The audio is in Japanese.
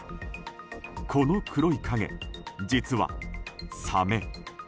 この黒い影、実はサメ。